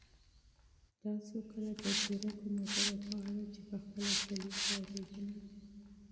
تاسو کله د هوښیارو موټرو په اړه چې په خپله چلیږي اورېدلي؟